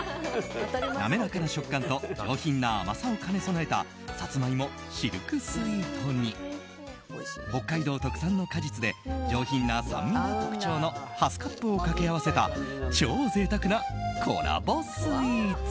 滑らかな食感と上品な甘さを兼ね備えたサツマイモ、シルクスイートに北海道特産の果実で上品な酸味が特徴のハスカップを掛け合わせた超贅沢なコラボスイーツ。